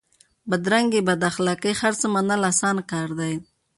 بدرنګي بداخلاق هرڅه منل اسان کار دی؛